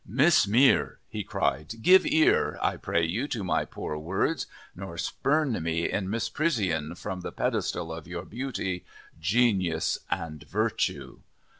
"Miss Mere," he cried, "give ear, I pray you, to my poor words, nor spurn me in misprision from the pedestal of your Beauty, Genius, and Virtue.